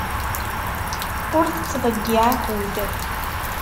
Ur tettḍeyyiɛ akud.